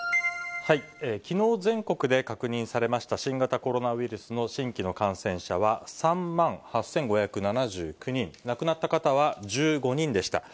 きのう全国で確認されました新型コロナウイルスの新規の感染者は３万８５７９人、亡くなった方は１５人でした。